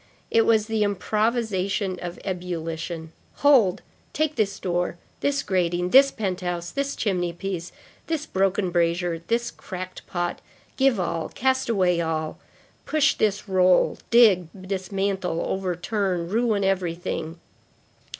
It was the improvisation of the ebullition. Hold! take this door! this grating! this penthouse! this chimney piece! this broken brazier! this cracked pot! Give all! cast away all! Push this roll, dig, dismantle, overturn, ruin everything!